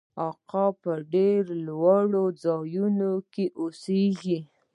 عقاب په ډیرو لوړو ځایونو کې اوسیږي